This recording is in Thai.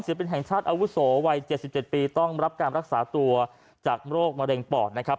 แห่งชาติอาวุโสวัย๗๗ปีต้องรับการรักษาตัวจากโรคมะเร็งปอดนะครับ